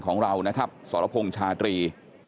ของเรานะครับสรพงษ์ชาตรี